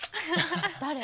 誰？